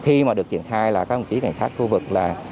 nhưng mà được triển khai là các công chí cảnh sát khu vực